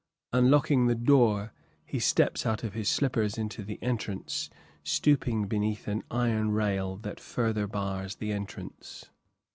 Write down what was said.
Unlocking the door, he steps out of his slippers into the entrance, stooping beneath an iron rail that further bars the entrance.